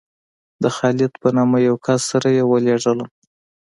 د خالد په نامه یو کس سره یې ولېږلم.